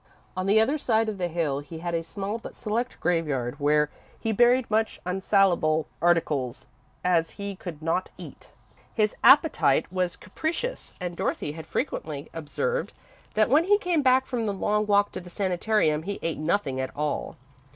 On the other side of the hill he had a small but select graveyard where he buried such unsalable articles as he could not eat. His appetite was capricious, and Dorothy had frequently observed that when he came back from the long walk to the sanitarium, he ate nothing at all.